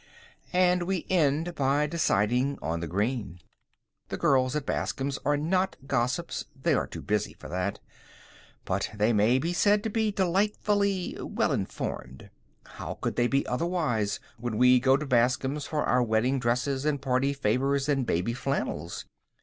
And we end by deciding on the green. The girls at Bascom's are not gossips they are too busy for that but they may be said to be delightfully well informed. How could they be otherwise when we go to Bascom's for our wedding dresses and party favors and baby flannels?